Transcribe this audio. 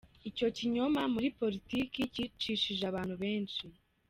Icyo kinyoma muri politiki cyicishije abantu benshi.